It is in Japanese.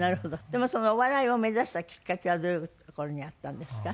でもお笑いを目指したきっかけはどういうところにあったんですか？